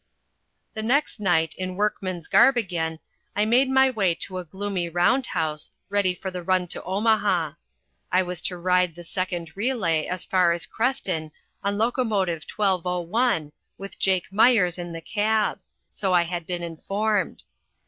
The next night, in workman's garb again, I made my way to a gloomy round house, ready for the run to Omaha. I was to ride the second relay, as far as Creston, on locomotive 1201, with Jake Myers in the cab, so I had been informed.